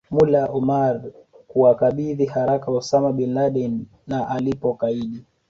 Mullah Omar kuwakabidhi haraka Osama Bin Laden na alipokaidi